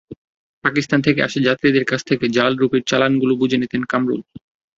পাকিস্তান থেকে আসা যাত্রীদের কাছ থেকে জাল রুপির চালানগুলো বুঝে নিতেন কামরুল।